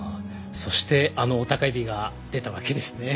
そして、あの雄たけびが出たわけですね？